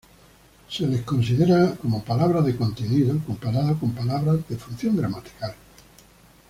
Se los considera como "palabras de contenido" comparado con "palabras de función gramatical".